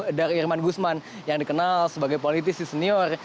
dari irman gusman yang dikenal sebagai politisi senior